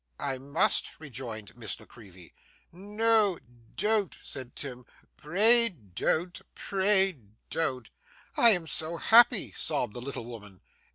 'I must,' rejoined Miss La Creevy. 'No, don't,' said Tim. 'Please don't; pray don't.' 'I am so happy!' sobbed the little woman.